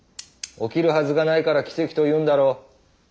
起きるはずがないから奇跡と言うんだろう。ですね。